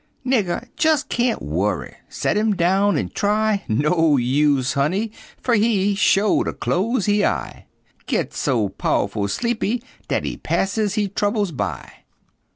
Nigger jes' kain't worry, Set him down an' try, No use, honey, fer he Sho' ter close he eye, Git so pow'ful sleepy dat he pass he troubles by.